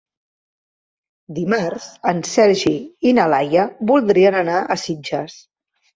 Dimarts en Sergi i na Laia voldrien anar a Sitges.